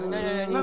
何！？